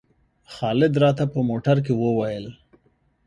خالد راته په موټر کې وویل.